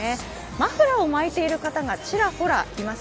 マフラーを巻いている方がちらほらいます。